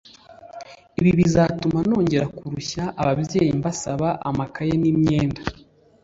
ibi bizatuma ntongera kurushya ababyeyi mbasaba amakaye n’imyenda